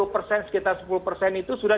sepuluh persen sekitar sepuluh persen itu sudah